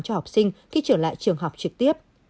cho học sinh khi trở lại trường học trực tiếp